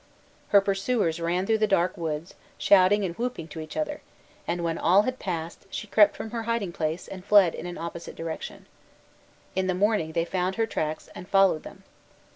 Her pursuers ran through the dark woods, shouting and whooping to each other; and when all had passed, she crept from her hiding place, and fled in an opposite direction. In the morning they found her tracks and followed them.